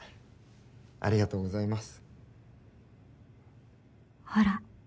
ありがとうございます。